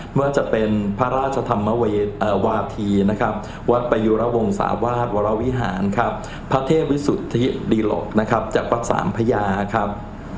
ว่าจะเป็นพระราชธรรมวาธีนะครับวัดประยุระวงศาวาสวรวิหารครับพระเทพวิสุทธิดีหลกนะครับจากวัดสามพญาครับ